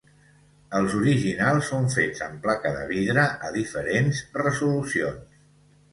Els originals són fets amb placa de vidre a diferents resolucions.